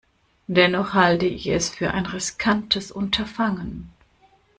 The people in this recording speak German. Dennoch halte ich es für ein riskantes Unterfangen.